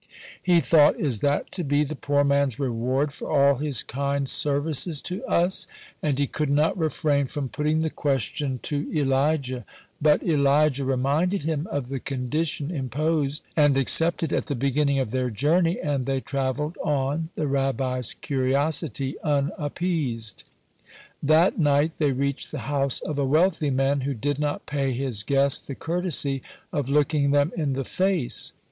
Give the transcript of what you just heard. He thought: "Is that to be the poor man's reward for all his kind services to us?" And he could not refrain from putting the question to Elijah. But Elijah reminded him of the condition imposed and accepted at the beginning of their journey, and they travelled on, the Rabbi's curiosity unappeased. That night they reached the house of a wealthy man, who did not pay his guest the courtesy of looking them in the face.